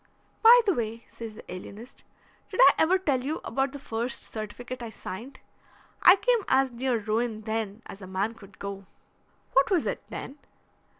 "By the way," says the alienist, "did I ever tell you about the first certificate I signed? I came as near ruin then as a man could go." "What was it, then?"